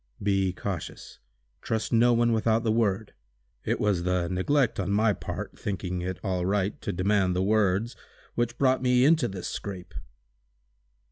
"Be cautious. Trust no one without the word. It was the neglect on my part, thinking it all right, to demand the 'words,' which brought me into this scrape!"